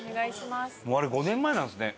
もう、あれ５年前なんですね。